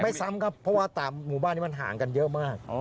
ซ้ำครับเพราะว่าตามหมู่บ้านนี้มันห่างกันเยอะมาก